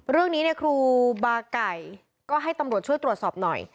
เรื่องนี้ครูบาไก่ก็ให้ตำรวจช่วยตรวจสอบหน่อย